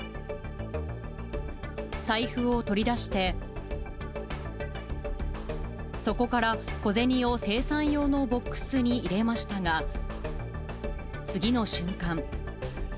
財布を取り出して、そこから小銭を精算用のボックスに入れましたが、次の瞬間。